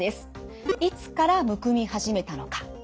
いつからむくみはじめたのか。